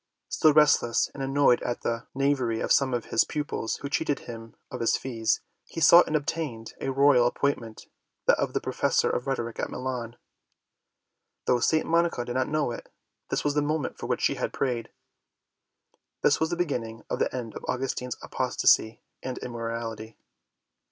Still restless, and annoyed at the knavery of some of his pupils who cheated him of his fees, he sought and obtained a royal appointment, that of Professor of Rhetoric at Milan. Though St. Monica did not know it, this was the moment for which she had prayed. This was the begimiing of the end of Augustine's apostacy and immorality.